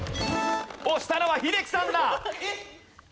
押したのは英樹さんだ。